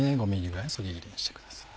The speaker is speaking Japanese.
５ｍｍぐらいのそぎ切りにしてください。